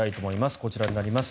こちらになります。